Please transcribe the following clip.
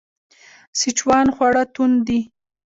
سیچوان خواړه توند دي.